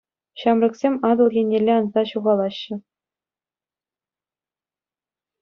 Ҫамрӑксем Атӑл еннелле анса ҫухалаҫҫӗ.